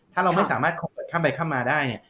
ถ้าเราไม่สามารถคอนเวิร์ดข้ามไปข้ามมาได้เนี่ย